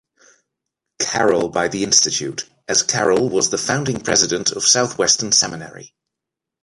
Carroll by the Institute, as Carroll was the founding president of Southwestern Seminary.